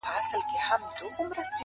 له ازله د خپل ځان په وینو رنګ یو-